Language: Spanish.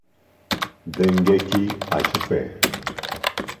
Dengeki hp